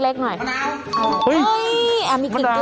เล็กหน่อยมะนาว